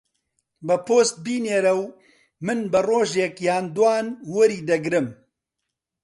بە پۆست بینێرە و من بە ڕۆژێک یان دووان وەری دەگرم.